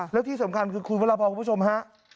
แล้วที่สำคัญคือคุณพระราพรคุณผู้ชมฮะ